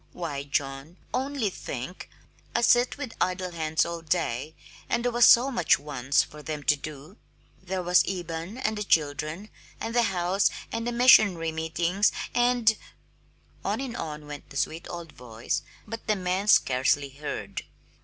Why, John, only think, I sit with idle hands all day, and there was so much once for them to do. There was Eben, and the children, and the house, and the missionary meetings, and " On and on went the sweet old voice, but the man scarcely heard.